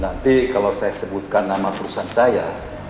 nanti kalau saya sebutkan nama perusahaan saya